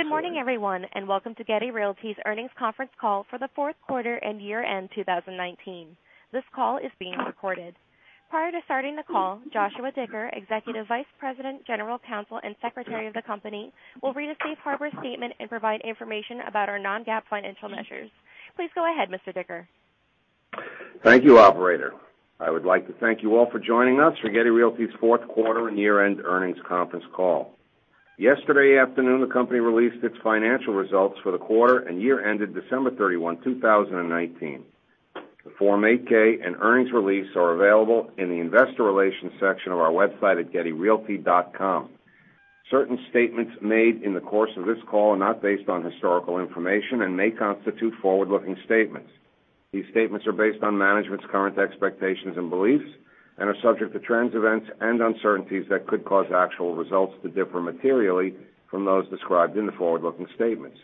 Good morning, everyone, welcome to Getty Realty's earnings conference call for the fourth quarter and year-end 2019. This call is being recorded. Prior to starting the call, Joshua Dicker, Executive Vice President, General Counsel, and Secretary of the company, will read a safe harbor statement and provide information about our non-GAAP financial measures. Please go ahead, Mr. Dicker. Thank you, operator. I would like to thank you all for joining us for Getty Realty's fourth quarter and year-end earnings conference call. Yesterday afternoon, the company released its financial results for the quarter and year ended December 31, 2019. The Form 8-K and earnings release are available in the investor relations section of our website at gettyrealty.com. Certain statements made in the course of this call are not based on historical information and may constitute forward-looking statements. These statements are based on management's current expectations and beliefs and are subject to trends, events, and uncertainties that could cause actual results to differ materially from those described in the forward-looking statements.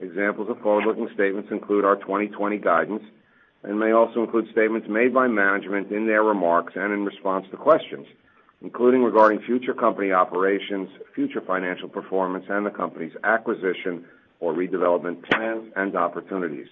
Examples of forward-looking statements include our 2020 guidance and may also include statements made by management in their remarks and in response to questions, including regarding future company operations, future financial performance, and the company's acquisition or redevelopment plans and opportunities.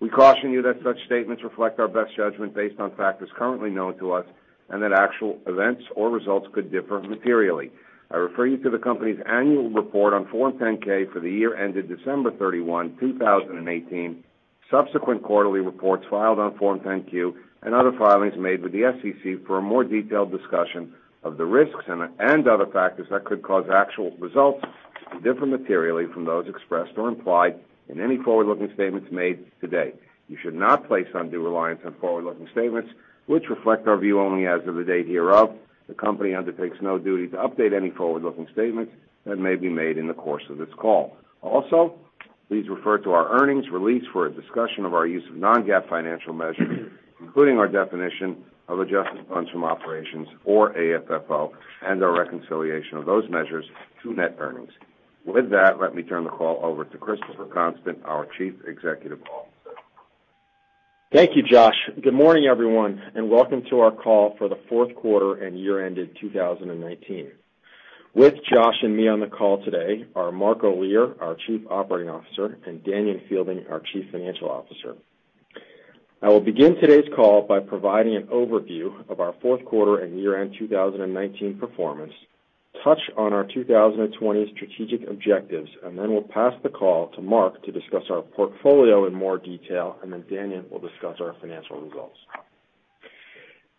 We caution you that such statements reflect our best judgment based on factors currently known to us, and that actual events or results could differ materially. I refer you to the company's annual report on Form 10-K for the year ended December 31, 2018, subsequent quarterly reports filed on Form 10-Q, and other filings made with the SEC for a more detailed discussion of the risks and other factors that could cause actual results to differ materially from those expressed or implied in any forward-looking statements made today. You should not place undue reliance on forward-looking statements, which reflect our view only as of the date hereof. The company undertakes no duty to update any forward-looking statements that may be made in the course of this call. Also, please refer to our earnings release for a discussion of our use of non-GAAP financial measures, including our definition of adjusted funds from operations, or AFFO, and our reconciliation of those measures to net earnings. With that, let me turn the call over to Christopher Constant, our Chief Executive Officer. Thank you, Josh. Good morning, everyone, and welcome to our call for the fourth quarter and year ended 2019. With Josh and me on the call today are Mark Olear, our Chief Operating Officer, and Danion Fielding, our Chief Financial Officer. I will begin today's call by providing an overview of our fourth quarter and year-end 2019 performance, touch on our 2020 strategic objectives, and then we'll pass the call to Mark to discuss our portfolio in more detail, and then Danion will discuss our financial results.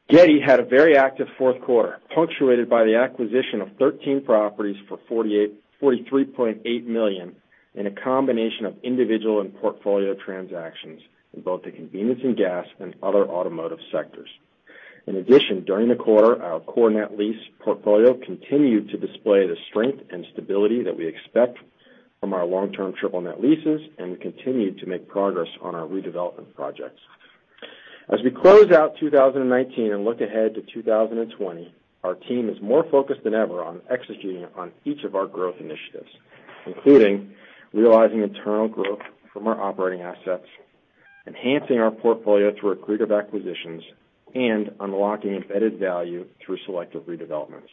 Getty had a very active fourth quarter, punctuated by the acquisition of 13 properties for $43.8 million in a combination of individual and portfolio transactions in both the convenience and gas and other automotive sectors. In addition, during the quarter, our core net lease portfolio continued to display the strength and stability that we expect from our long-term triple net leases, and we continued to make progress on our redevelopment projects. As we close out 2019 and look ahead to 2020, our team is more focused than ever on executing on each of our growth initiatives, including realizing internal growth from our operating assets, enhancing our portfolio through accretive acquisitions, and unlocking embedded value through selective redevelopments.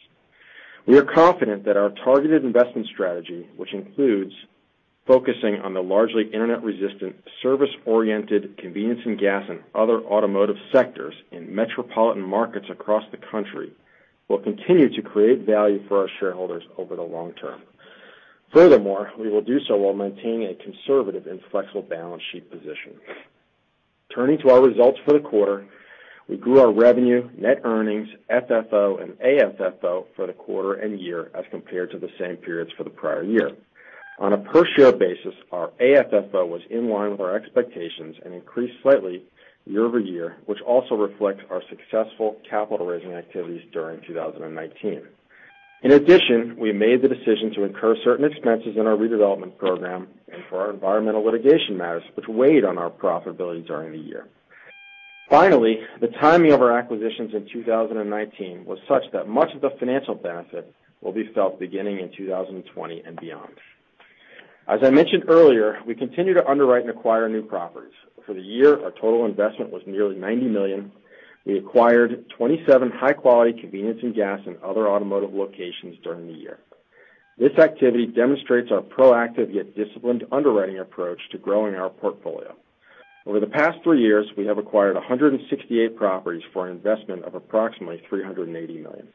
We are confident that our targeted investment strategy, which includes focusing on the largely internet-resistant, service-oriented convenience and gas and other automotive sectors in metropolitan markets across the country, will continue to create value for our shareholders over the long term. Furthermore, we will do so while maintaining a conservative and flexible balance sheet position. Turning to our results for the quarter, we grew our revenue, net earnings, FFO, and AFFO for the quarter and year as compared to the same periods for the prior year. On a per-share basis, our AFFO was in line with our expectations and increased slightly year-over-year, which also reflects our successful capital-raising activities during 2019. In addition, we made the decision to incur certain expenses in our redevelopment program and for our environmental litigation matters, which weighed on our profitability during the year. Finally, the timing of our acquisitions in 2019 was such that much of the financial benefit will be felt beginning in 2020 and beyond. As I mentioned earlier, we continue to underwrite and acquire new properties. For the year, our total investment was nearly $90 million. We acquired 27 high-quality convenience and gas and other automotive locations during the year. This activity demonstrates our proactive, yet disciplined underwriting approach to growing our portfolio. Over the past three years, we have acquired 168 properties for an investment of approximately $380 million.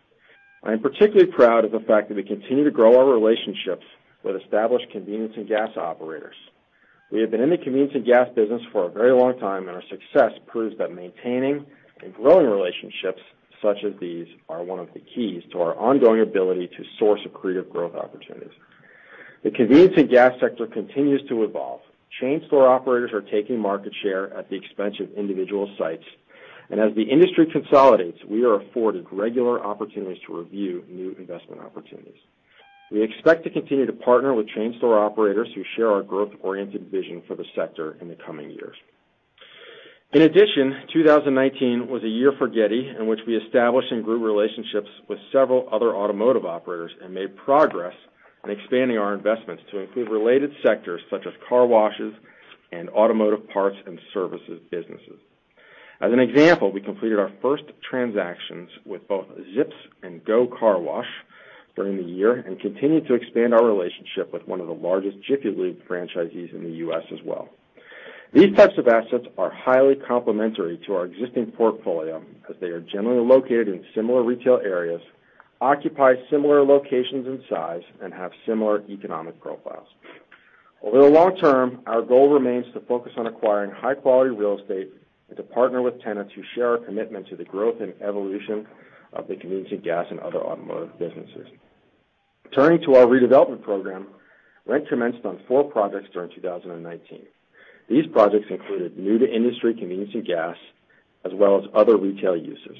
I am particularly proud of the fact that we continue to grow our relationships with established convenience and gas operators. We have been in the convenience and gas business for a very long time, and our success proves that maintaining and growing relationships such as these are one of the keys to our ongoing ability to source accretive growth opportunities. The convenience and gas sector continues to evolve. Chain store operators are taking market share at the expense of individual sites, and as the industry consolidates, we are afforded regular opportunities to review new investment opportunities. We expect to continue to partner with chain store operators who share our growth-oriented vision for the sector in the coming years. In addition, 2019 was a year for Getty in which we established and grew relationships with several other automotive operators and made progress in expanding our investments to include related sectors such as car washes and automotive parts and services businesses. As an example, we completed our first transactions with both ZIPS and GO Car Wash during the year and continue to expand our relationship with one of the largest Jiffy Lube franchisees in the U.S. as well. These types of assets are highly complementary to our existing portfolio as they are generally located in similar retail areas, occupy similar locations and size, and have similar economic profiles. Over the long term, our goal remains to focus on acquiring high-quality real estate and to partner with tenants who share our commitment to the growth and evolution of the convenience of gas and other automotive businesses. Turning to our redevelopment program, rent commenced on four projects during 2019. These projects included new to industry convenience and gas, as well as other retail uses.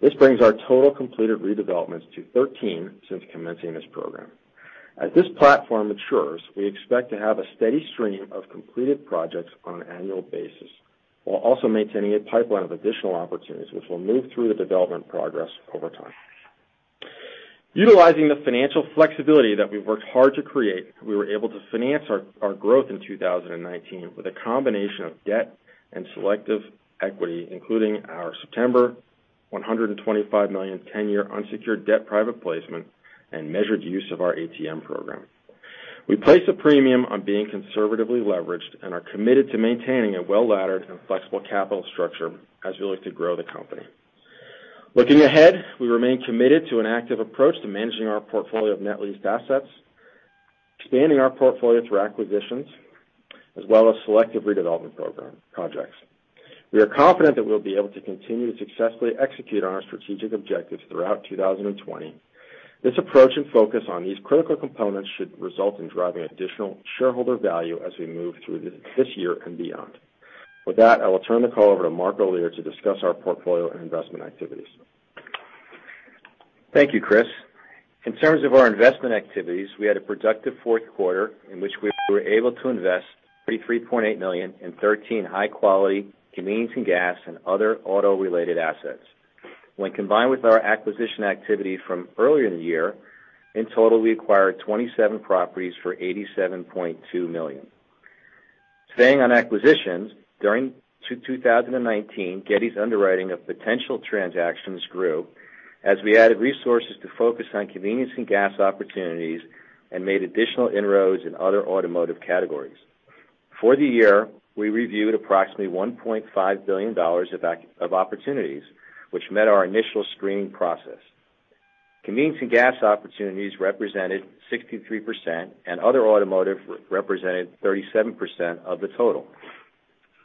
This brings our total completed redevelopments to 13 since commencing this program. As this platform matures, we expect to have a steady stream of completed projects on an annual basis, while also maintaining a pipeline of additional opportunities, which will move through the development progress over time. Utilizing the financial flexibility that we've worked hard to create, we were able to finance our growth in 2019 with a combination of debt and selective equity, including our September $125 million 10-year unsecured debt private placement and measured use of our ATM program. We place a premium on being conservatively leveraged and are committed to maintaining a well-laddered and flexible capital structure as we look to grow the company. Looking ahead, we remain committed to an active approach to managing our portfolio of net leased assets, expanding our portfolio through acquisitions, as well as selective redevelopment program projects. We are confident that we'll be able to continue to successfully execute on our strategic objectives throughout 2020. This approach and focus on these critical components should result in driving additional shareholder value as we move through this year and beyond. With that, I will turn the call over to Mark Olear to discuss our portfolio and investment activities. Thank you, Chris. In terms of our investment activities, we had a productive fourth quarter in which we were able to invest $33.8 million in 13 high-quality convenience and gas and other auto-related assets. When combined with our acquisition activity from earlier in the year, in total, we acquired 27 properties for $87.2 million. Staying on acquisitions, during 2019, Getty's underwriting of potential transactions grew as we added resources to focus on convenience and gas opportunities and made additional inroads in other automotive categories. For the year, we reviewed approximately $1.5 billion of opportunities, which met our initial screening process. Convenience and gas opportunities represented 63%. Other automotive represented 37% of the total.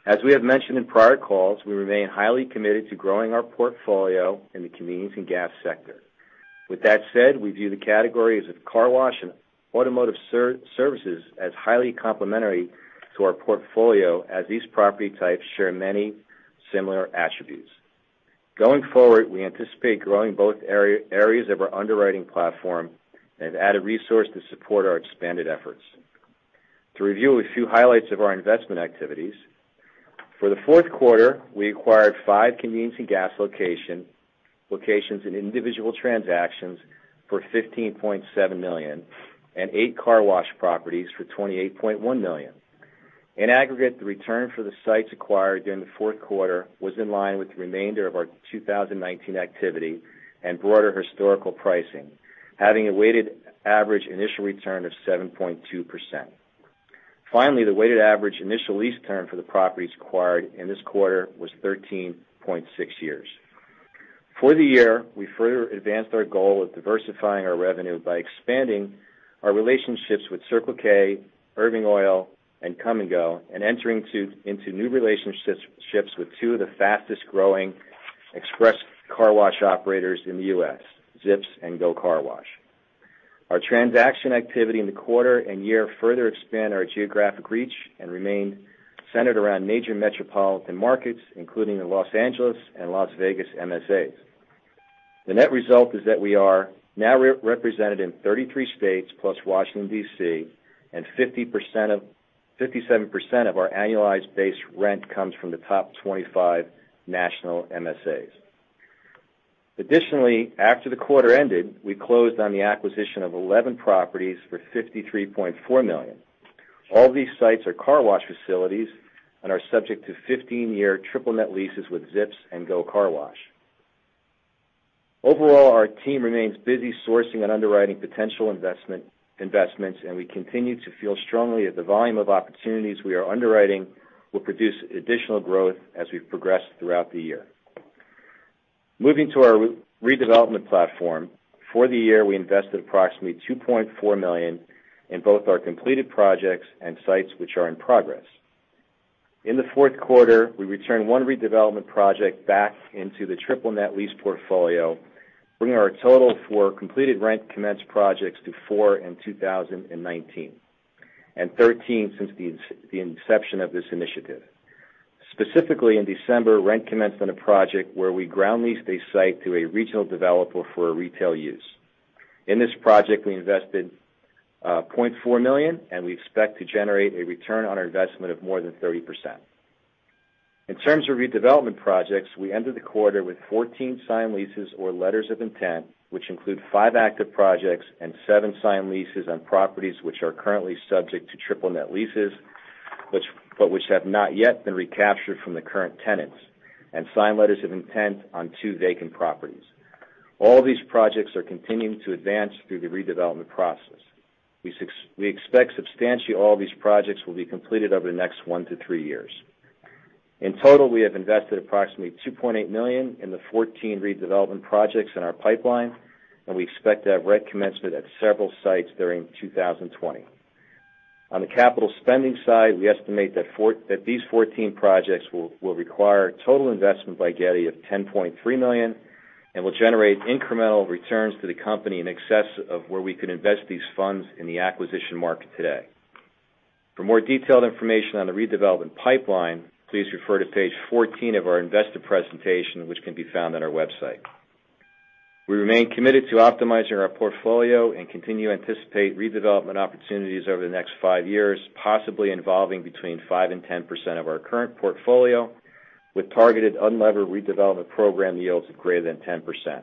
As we have mentioned in prior calls, we remain highly committed to growing our portfolio in the convenience and gas sector. With that said, we view the categories of car wash and automotive services as highly complementary to our portfolio, as these property types share many similar attributes. Going forward, we anticipate growing both areas of our underwriting platform and have added resource to support our expanded efforts. To review a few highlights of our investment activities, for the fourth quarter, we acquired five convenience and gas locations in individual transactions for $15.7 million and eight car wash properties for $28.1 million. In aggregate, the return for the sites acquired during the fourth quarter was in line with the remainder of our 2019 activity and broader historical pricing, having a weighted average initial return of 7.2%. Finally, the weighted average initial lease term for the properties acquired in this quarter was 13.6 years. For the year, we further advanced our goal of diversifying our revenue by expanding our relationships with Circle K, Irving Oil, and Kum & Go and entering into new relationships with two of the fastest-growing express car wash operators in the U.S., ZIPS and GO Car Wash. Our transaction activity in the quarter and year further expand our geographic reach and remain centered around major metropolitan markets, including the Los Angeles and Las Vegas MSAs. The net result is that we are now represented in 33 states plus Washington, D.C., and 57% of our annualized base rent comes from the top 25 national MSAs. After the quarter ended, we closed on the acquisition of 11 properties for $53.4 million. All these sites are car wash facilities and are subject to 15-year triple net leases with ZIPS and GO Car Wash. Overall, our team remains busy sourcing and underwriting potential investments. We continue to feel strongly that the volume of opportunities we are underwriting will produce additional growth as we progress throughout the year. Moving to our redevelopment platform. For the year, we invested approximately $2.4 million in both our completed projects and sites which are in progress. In the fourth quarter, we returned one redevelopment project back into the triple net lease portfolio, bringing our total for completed rent commence projects to four in 2019 and 13 since the inception of this initiative. Specifically, in December, rent commenced on a project where we ground leased a site to a regional developer for a retail use. In this project, we invested $0.4 million. We expect to generate a return on our investment of more than 30%. In terms of redevelopment projects, we ended the quarter with 14 signed leases or letters of intent, which include five active projects and seven signed leases on properties which are currently subject to triple net leases But which have not yet been recaptured from the current tenants, and signed letters of intent on two vacant properties. All these projects are continuing to advance through the redevelopment process. We expect substantially all these projects will be completed over the next one to three years. In total, we have invested approximately $2.8 million in the 14 redevelopment projects in our pipeline, and we expect to have rent commencement at several sites during 2020. On the capital spending side, we estimate that these 14 projects will require total investment by Getty of $10.3 million and will generate incremental returns to the company in excess of where we could invest these funds in the acquisition market today. For more detailed information on the redevelopment pipeline, please refer to page 14 of our investor presentation, which can be found on our website. We remain committed to optimizing our portfolio and continue to anticipate redevelopment opportunities over the next five years, possibly involving between 5% and 10% of our current portfolio, with targeted unlevered redevelopment program yields of greater than 10%.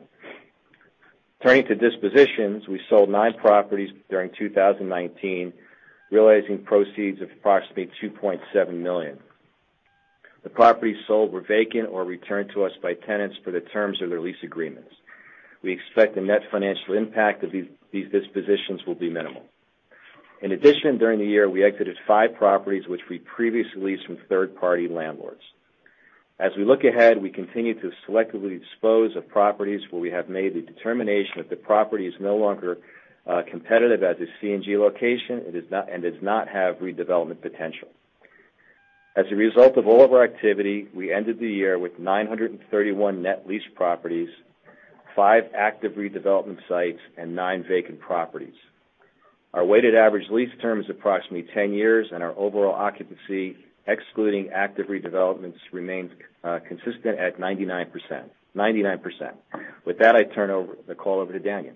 Turning to dispositions, we sold nine properties during 2019, realizing proceeds of approximately $2.7 million. The properties sold were vacant or returned to us by tenants for the terms of their lease agreements. We expect the net financial impact of these dispositions will be minimal. During the year, we exited five properties which we previously leased from third-party landlords. We continue to selectively dispose of properties where we have made the determination that the property is no longer competitive as a C&G location and does not have redevelopment potential. We ended the year with 931 net leased properties, five active redevelopment sites, and nine vacant properties. Our weighted average lease term is approximately 10 years, and our overall occupancy, excluding active redevelopments, remains consistent at 99%. I turn the call over to Danion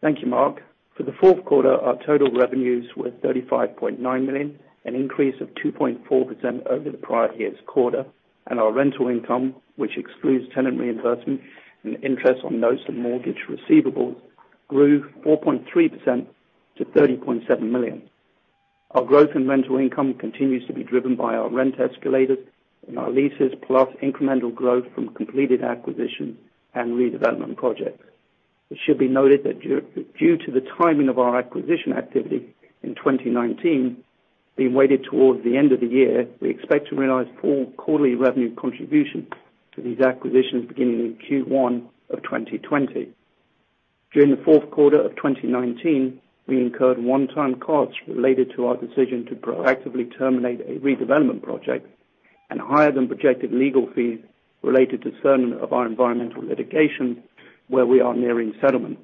Thank you, Mark. For the fourth quarter, our total revenues were $35.9 million, an increase of 2.4% over the prior year's quarter. Our rental income, which excludes tenant reimbursement and interest on notes and mortgage receivables, grew 4.3% to $30.7 million. Our growth in rental income continues to be driven by our rent escalators and our leases, plus incremental growth from completed acquisition and redevelopment projects. It should be noted that due to the timing of our acquisition activity in 2019 being weighted towards the end of the year, we expect to realize full quarterly revenue contribution to these acquisitions beginning in Q1 of 2020. During the fourth quarter of 2019, we incurred one-time costs related to our decision to proactively terminate a redevelopment project and higher-than-projected legal fees related to certain of our environmental litigation where we are nearing settlement.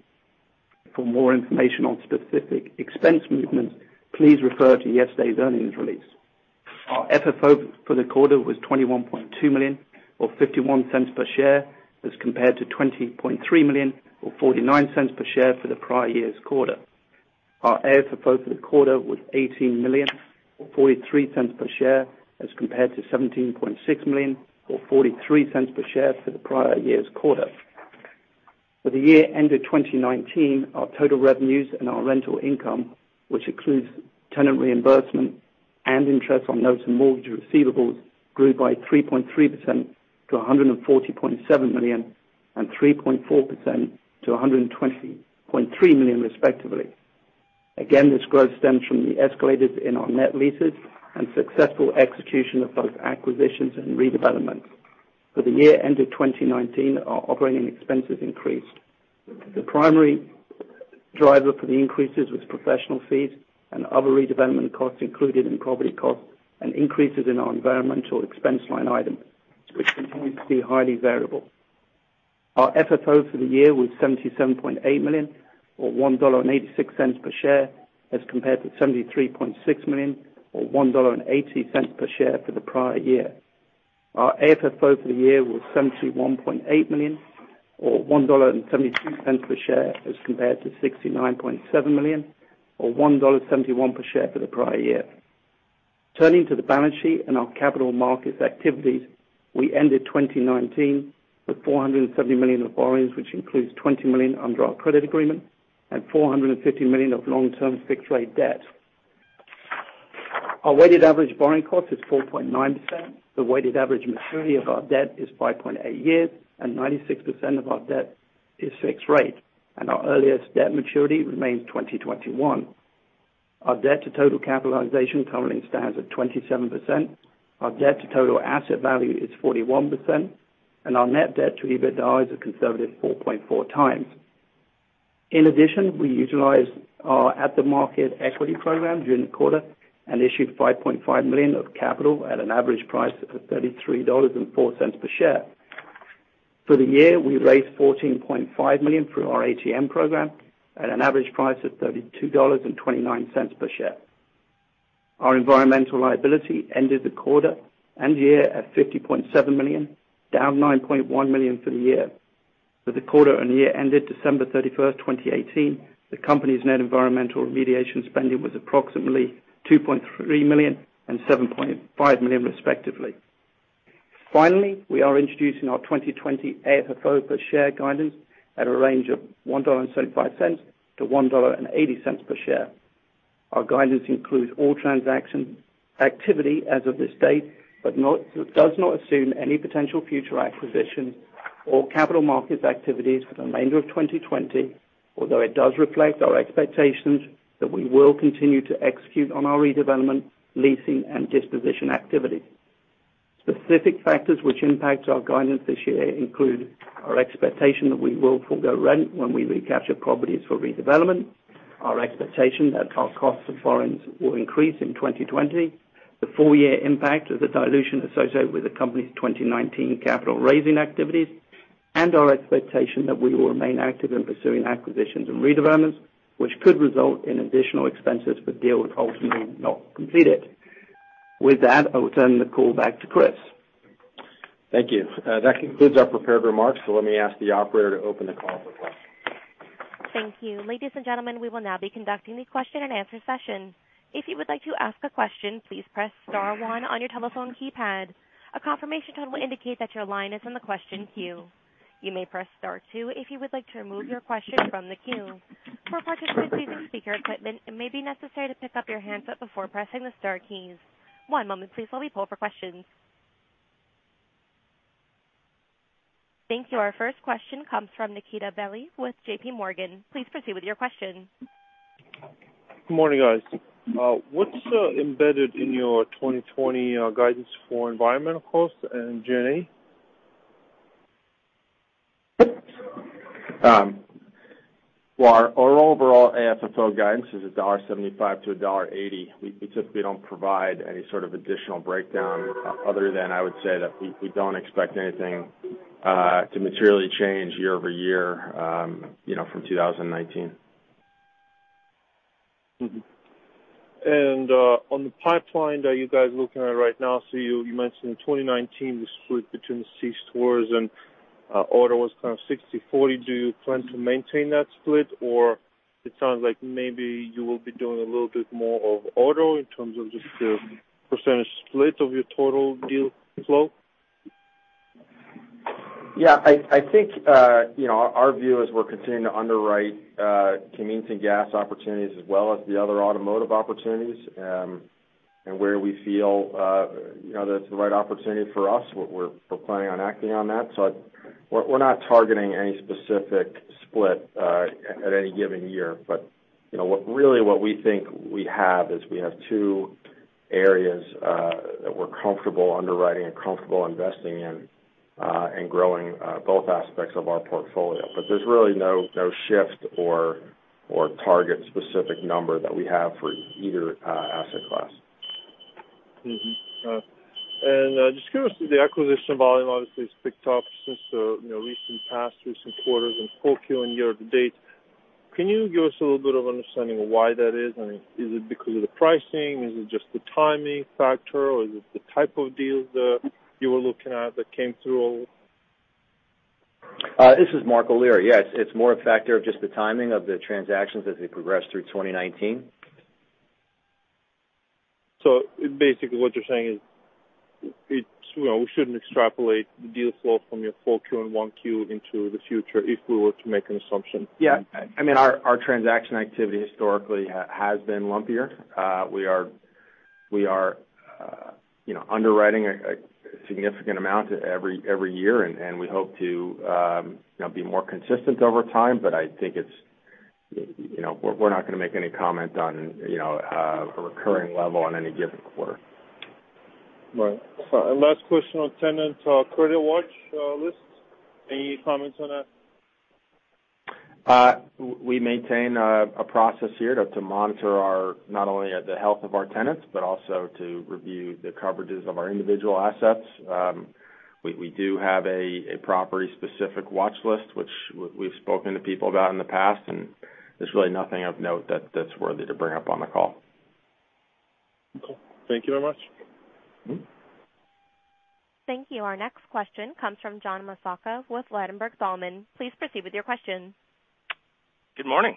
For more information on specific expense movements, please refer to yesterday's earnings release. Our FFO for the quarter was $21.2 million, or $0.51 per share, as compared to $20.3 million or $0.49 per share for the prior year's quarter. Our AFFO for the quarter was $18 million or $0.43 per share, as compared to $17.6 million or $0.43 per share for the prior year's quarter. For the year ended 2019, our total revenues and our rental income, which includes tenant reimbursement and interest on notes and mortgage receivables, grew by 3.3% to $140.7 million and 3.4% to $120.3 million respectively. Again, this growth stems from the escalators in our triple net leases and successful execution of both acquisitions and redevelopments. For the year ended 2019, our operating expenses increased. The primary driver for the increases was professional fees and other redevelopment costs included in property costs and increases in our environmental expense line item, which continues to be highly variable. Our FFO for the year was $77.8 million or $1.86 per share, as compared to $73.6 million or $1.80 per share for the prior year. Our AFFO for the year was $71.8 million or $1.72 per share as compared to $69.7 million or $1.71 per share for the prior year. Turning to the balance sheet and our capital markets activities, we ended 2019 with $470 million of borrowings, which includes $20 million under our credit agreement and $450 million of long-term fixed rate debt. Our weighted average borrowing cost is 4.9%. The weighted average maturity of our debt is 5.8 years, and 96% of our debt is fixed rate, and our earliest debt maturity remains 2021. Our debt to total capitalization currently stands at 27%. Our debt to total asset value is 41%, and our net debt to EBITDA is a conservative 4.4x. In addition, we utilized our at-the-market equity program during the quarter and issued $5.5 million of capital at an average price of $33.04 per share. For the year, we raised $14.5 million through our ATM program at an average price of $32.29 per share. Our environmental liability ended the quarter and year at $50.7 million, down $9.1 million for the year. For the quarter and year ended December 31st, 2018, the company's net environmental remediation spending was approximately $2.3 million and $7.5 million respectively. Finally, we are introducing our 2020 AFFO per share guidance at a range of $1.75-$1.80 per share. Our guidance includes all transaction activity as of this date, but does not assume any potential future acquisition or capital markets activities for the remainder of 2020, although it does reflect our expectations that we will continue to execute on our redevelopment, leasing, and disposition activity. Specific factors which impact our guidance this year include our expectation that we will forgo rent when we recapture properties for redevelopment, our expectation that our cost of borrowings will increase in 2020, the full year impact of the dilution associated with the company's 2019 capital raising activities, and our expectation that we will remain active in pursuing acquisitions and redevelopments, which could result in additional expenses for deals ultimately not completed. With that, I will turn the call back to Chris. Thank you. That concludes our prepared remarks. Let me ask the operator to open the call for questions. Thank you. Ladies and gentlemen, we will now be conducting the question and answer session. If you would like to ask a question, please press star one on your telephone keypad. A confirmation tone will indicate that your line is in the question queue. You may press star two if you would like to remove your question from the queue. For participants using speaker equipment, it may be necessary to pick up your handset before pressing the star keys. One moment please while we poll for questions. Thank you. Our first question comes from Nikita Bely with JPMorgan. Please proceed with your question. Good morning, guys. What's embedded in your 2020 guidance for environmental costs and G&A? Our overall AFFO guidance is $1.75-$1.80. We typically don't provide any sort of additional breakdown other than I would say that we don't expect anything to materially change year-over-year from 2019. On the pipeline that you guys are looking at right now, you mentioned in 2019, the split between the C-stores and auto was kind of 60/40. Do you plan to maintain that split? It sounds like maybe you will be doing a little bit more of auto in terms of just the percentage split of your total deal flow. Yeah, I think our view is we're continuing to underwrite convenience and gas opportunities as well as the other automotive opportunities. Where we feel that it's the right opportunity for us, we're planning on acting on that. We're not targeting any specific split at any given year. Really what we think we have is we have two areas that we're comfortable underwriting and comfortable investing in, and growing both aspects of our portfolio. There's really no shift or target specific number that we have for either asset class. Just given the acquisition volume obviously has picked up since recent past recent quarters in full Q and year to date. Can you give us a little bit of understanding of why that is? I mean, is it because of the pricing? Is it just the timing factor, or is it the type of deals that you were looking at that came through? This is Mark Olear. Yes. It's more a factor of just the timing of the transactions as they progress through 2019. Basically, what you're saying is we shouldn't extrapolate the deal flow from your full Q and 1Q into the future if we were to make an assumption. Yeah. I mean, our transaction activity historically has been lumpier. We are underwriting a significant amount every year. We hope to be more consistent over time. I think we're not going to make any comment on a recurring level on any given quarter. Right. Last question on tenant credit watch lists. Any comments on that? We maintain a process here to monitor not only the health of our tenants, but also to review the coverages of our individual assets. We do have a property specific watch list, which we've spoken to people about in the past, and there's really nothing of note that's worthy to bring up on the call. Okay. Thank you very much. Thank you. Our next question comes from John Massocca with Ladenburg Thalmann. Please proceed with your question. Good morning.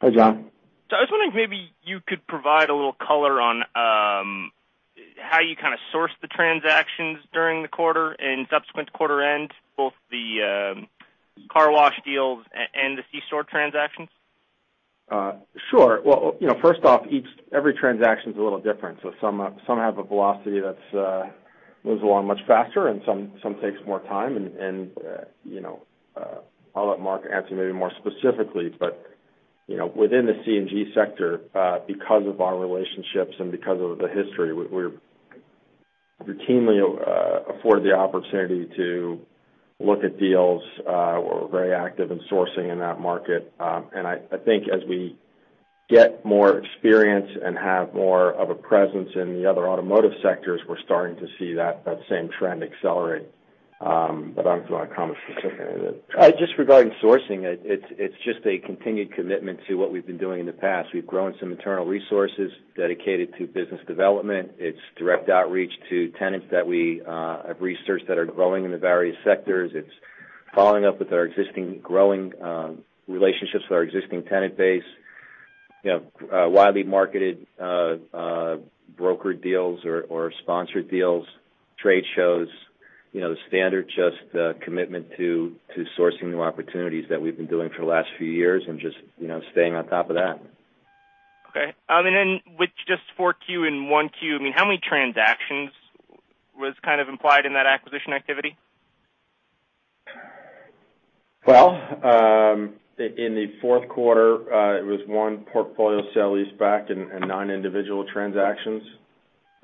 Hi, John. I was wondering if maybe you could provide a little color on how you kind of source the transactions during the quarter and subsequent to quarter end, both the car wash deals and the C-store transactions. Sure. Well, first off, every transaction is a little different. Some have a velocity that moves along much faster, and some takes more time. I'll let Mark answer maybe more specifically, but within the C&G sector, because of our relationships and because of the history, we're routinely afforded the opportunity to look at deals. We're very active in sourcing in that market. I think as we get more experience and have more of a presence in the other automotive sectors, we're starting to see that same trend accelerate. I'll let Mark comment specifically on the transactions. Just regarding sourcing, it's just a continued commitment to what we've been doing in the past. We've grown some internal resources dedicated to business development. It's direct outreach to tenants that we have researched that are growing in the various sectors. It's following up with our existing growing relationships with our existing tenant base, widely marketed brokered deals or sponsored deals, trade shows, the standard just commitment to sourcing new opportunities that we've been doing for the last few years and just staying on top of that. Okay. With just 4Q and 1Q, how many transactions was kind of implied in that acquisition activity? Well, in the fourth quarter, it was one portfolio sale-leaseback and nine individual transactions.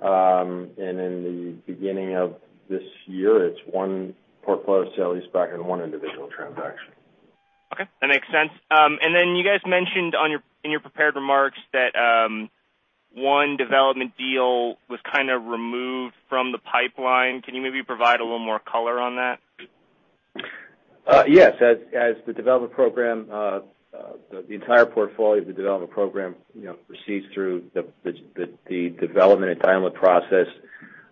In the beginning of this year, it's one portfolio sale-leaseback and one individual transaction. Okay. That makes sense. Then you guys mentioned in your prepared remarks that one development deal was kind of removed from the pipeline. Can you maybe provide a little more color on that? Yes. As the entire portfolio of the development program proceeds through the development entitlement process,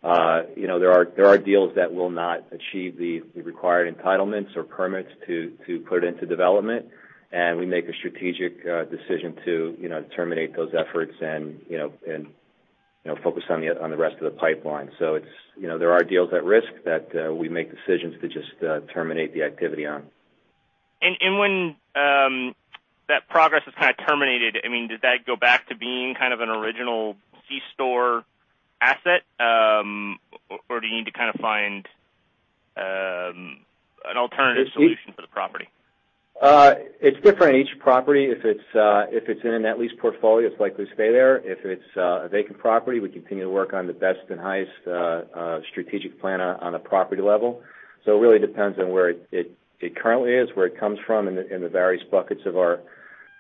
there are deals that will not achieve the required entitlements or permits to put into development, and we make a strategic decision to terminate those efforts and focus on the rest of the pipeline. There are deals at risk that we make decisions to just terminate the activity on. When that progress is kind of terminated, does that go back to being kind of an original C store asset? Do you need to kind of find an alternative solution for the property? It's different each property. If it's in a net lease portfolio, it's likely to stay there. If it's a vacant property, we continue to work on the best and highest strategic plan on a property level. It really depends on where it currently is, where it comes from in the various buckets of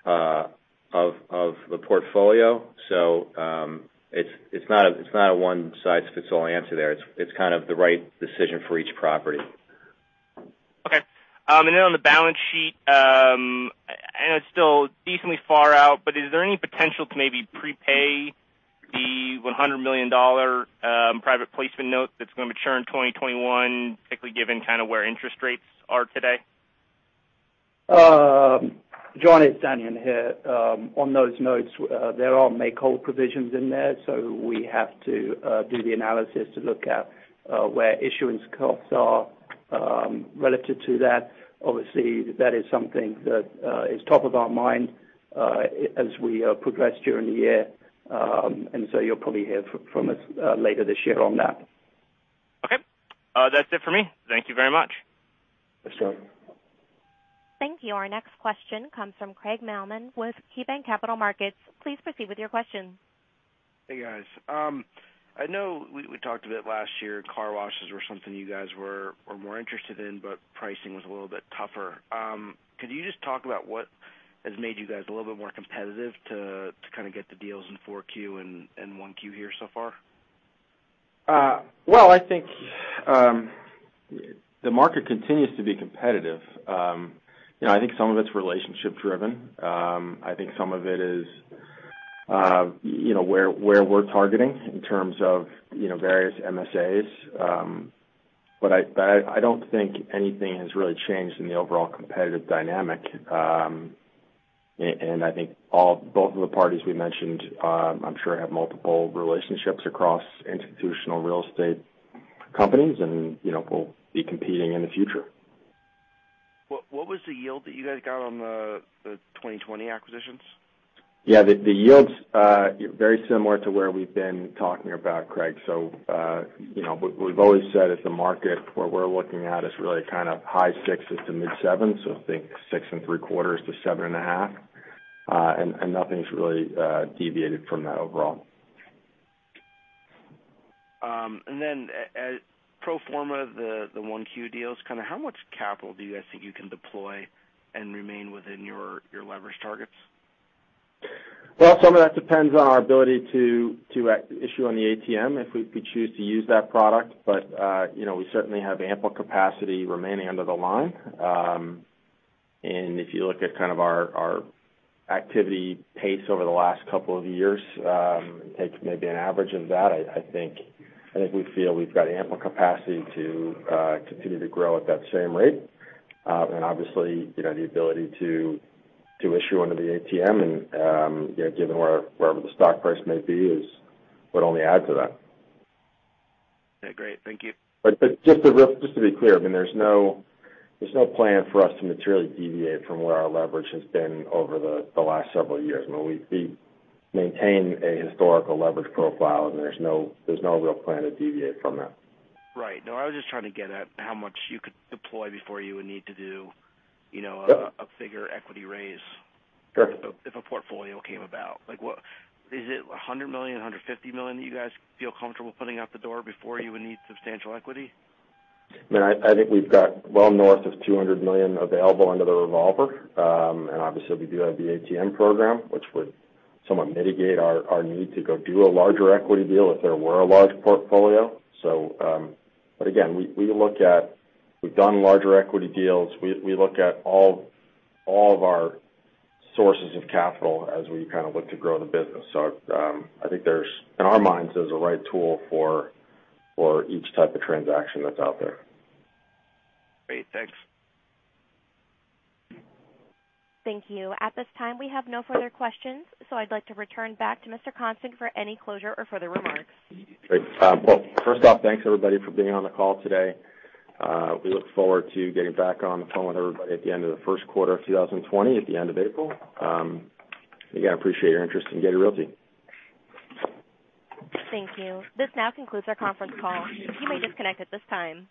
the portfolio. It's not a one-size-fits-all answer there. It's kind of the right decision for each property. Okay. Then on the balance sheet, I know it's still decently far out, but is there any potential to maybe prepay the $100 million private placement note that's going to mature in 2021, particularly given kind of where interest rates are today? John, it's Dani here. On those notes, there are make whole provisions in there, so we have to do the analysis to look at where issuance costs are. Relative to that, obviously, that is something that is top of our mind as we progress during the year. You'll probably hear from us later this year on that. Okay. That's it for me. Thank you very much. Thanks, John. Thank you. Our next question comes from Craig Mailman with KeyBanc Capital Markets. Please proceed with your question. Hey, guys. I know we talked a bit last year, car washes were something you guys were more interested in, but pricing was a little bit tougher. Could you just talk about what has made you guys a little bit more competitive to kind of get the deals in 4Q and 1Q here so far? Well, I think the market continues to be competitive. I think some of it's relationship driven. I think some of it is where we're targeting in terms of various MSAs. I don't think anything has really changed in the overall competitive dynamic. I think both of the parties we mentioned, I'm sure have multiple relationships across institutional real estate companies, and we'll be competing in the future. What was the yield that you guys got on the 2020 acquisitions? Yeah, the yields very similar to where we've been talking about, Craig. We've always said if the market, where we're looking at is really kind of high sixes to mid sevens, so think six and three quarters to seven and a half. Nothing's really deviated from that overall. As pro forma, the 1Q deals, how much capital do you guys think you can deploy and remain within your leverage targets? Some of that depends on our ability to issue on the ATM if we choose to use that product. We certainly have ample capacity remaining under the line. If you look at kind of our activity pace over the last couple of years, take maybe an average of that, I think we feel we've got ample capacity to continue to grow at that same rate. Obviously, the ability to issue under the ATM and given wherever the stock price may be, would only add to that. Yeah, great. Thank you. Just to be clear, there's no plan for us to materially deviate from where our leverage has been over the last several years. We maintain a historical leverage profile, and there's no real plan to deviate from that. Right. No, I was just trying to get at how much you could deploy before you would need to do a bigger equity raise. Sure If a portfolio came about, is it $100 million, $150 million that you guys feel comfortable putting out the door before you would need substantial equity? I think we've got well north of $200 million available under the revolver. Obviously we do have the ATM program, which would somewhat mitigate our need to go do a larger equity deal if there were a large portfolio. Again, we've done larger equity deals. We look at all of our sources of capital as we kind of look to grow the business. I think in our minds, there's a right tool for each type of transaction that's out there. Great. Thanks. Thank you. At this time, we have no further questions, I'd like to return back to Mr. Constant for any closure or further remarks. Great. Well, first off, thanks everybody for being on the call today. We look forward to getting back on the phone with everybody at the end of the first quarter of 2020, at the end of April. Again, appreciate your interest in Getty Realty. Thank you. This now concludes our conference call. You may disconnect at this time.